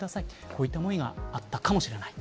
こういった思いがあったかもしれない。